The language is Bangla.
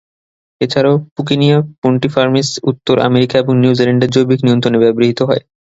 এছাড়াও "পুকিনিয়া পুন্টিফর্মিস" উত্তর আমেরিকা এবং নিউজিল্যান্ডে জৈবিক নিয়ন্ত্রণে ব্যবহৃত হয়।